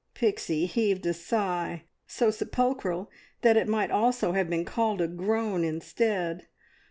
Pixie heaved a sigh so sepulchral that it might almost have been called a groan instead.